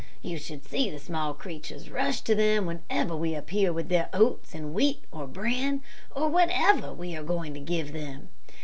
You should see the small creatures rush to them whenever we appear with their oats, and wheat, or bran, or whatever we are going to give them.